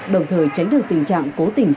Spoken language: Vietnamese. đồng thời tránh được tình trạng cố tình